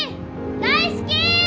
大好き！